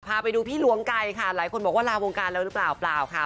พาไปดูพี่หลวงไก่ค่ะหลายคนบอกว่าลาวงการแล้วหรือเปล่าเปล่าค่ะ